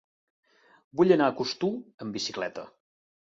Vull anar a Costur amb bicicleta.